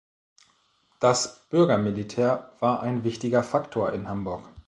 Das Bürgermilitär war ein wichtiger Faktor in Hamburg.